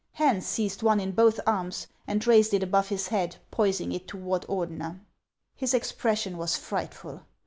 Hans seized one in both arms and raised it above his head, poising it toward Ordener. His expression was frightful.